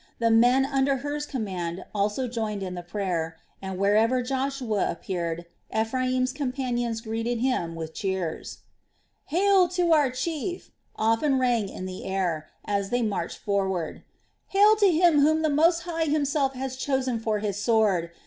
The men under Hur's command also joined in the prayer and wherever Joshua appeared Ephraim's companions greeted him with cheers. "Hail to our chief!" often rang on the air, as they marched forward: "Hail to him whom the Most High Himself has chosen for His sword!